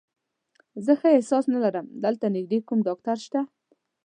زه ښه احساس نه لرم، دلته نږدې کوم ډاکټر شته؟